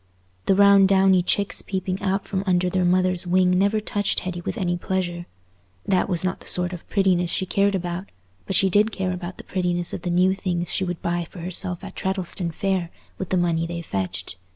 The round downy chicks peeping out from under their mother's wing never touched Hetty with any pleasure; that was not the sort of prettiness she cared about, but she did care about the prettiness of the new things she would buy for herself at Treddleston Fair with the money they fetched.